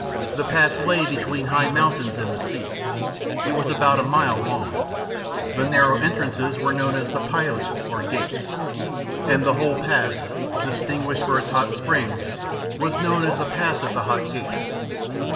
The pass lay between high mountains and the sea. It was about a mile long. The narrow en Dances were known as the Pylae or Gates, and the whole pass, distinguished for its hot springs, was known as the Pass of the Hot*Gates.